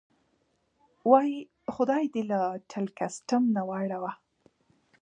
وایي: خدای دې له ټل کسټم نه واړوه.